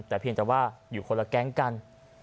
แต่เพียงแต่ว่าอยู่คนละแก๊งกัน